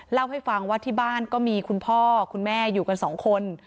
เล่าให้ฟังว่าที่บ้านก็มีคุณพ่อคุณแม่อยู่กันสองคน